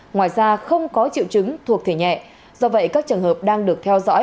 ngoài ra không có triệu chứng thuộc thể nhẹ do vậy các trường hợp đang được theo dõi